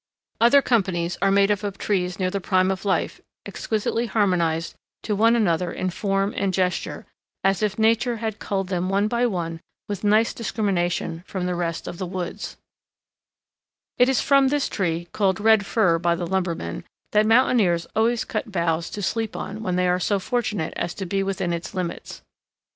Other companies are made up of trees near the prime of life, exquisitely harmonized to one another in form and gesture, as if Nature had culled them one by one with nice discrimination from all the rest of the woods. [Illustration: VIEW OF FOREST OF THE MAGNIFICENT SILVER FIR.] It is from this tree, called Red Fir by the lumberman, that mountaineers always cut boughs to sleep on when they are so fortunate as to be within its limits.